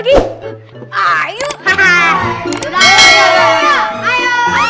tuh tuh tuh